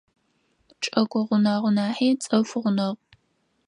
Чӏыгу гъунэгъу нахьи цӏыф гъунэгъу.